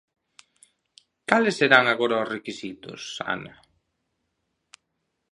Cales serán agora os requisitos, Ana?